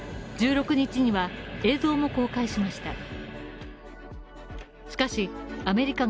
１６日には映像も公開しました。